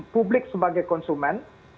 publik sebagai konsumen